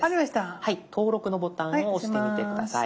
「登録」のボタンを押してみて下さい。